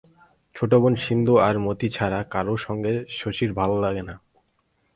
ছোট বোন সিন্ধু আর মতি ছাড়া কারো সঙ্গে শশীর ভালো লাগে না।